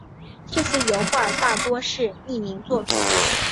这些油画大多是匿名作品。